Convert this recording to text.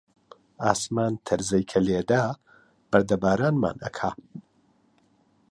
ئاسمان تەرزەی کە لێدا، بەردەبارانمان ئەکا